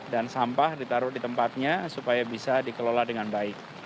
dan sampah ditaruh di tempatnya supaya bisa dikelola dengan baik